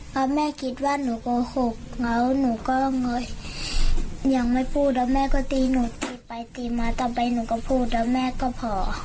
เพราะแม่คิดว่าหนูโกหกแล้วหนูก็เลยยังไม่พูดแล้วแม่ก็ตีหนูตีไปตีมาต่อไปหนูก็พูดแล้วแม่ก็พอ